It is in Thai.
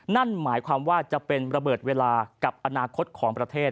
นั่นหมายความว่าจะเป็นระเบิดเวลากับอนาคตของประเทศ